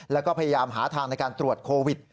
แล้วก็พยายามหาทางในการตรวจโควิด